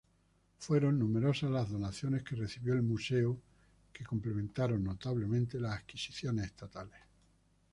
Fueron numerosas las donaciones que recibió el Museo, que complementaron notablemente las adquisiciones estatales.